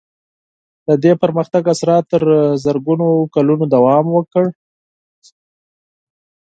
د دې پرمختګ اثرات تر زرګونو کلونو دوام وکړ.